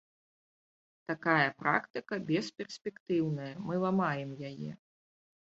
Такая практыка бесперспектыўная, мы ламаем яе.